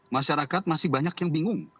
masyarakat masih banyak yang bingung